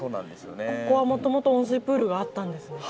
ここはもともと温水プールがあったんですね。